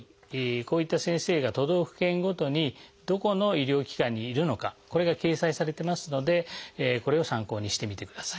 こういった先生が都道府県ごとにどこの医療機関にいるのかこれが掲載されてますのでこれを参考にしてみてください。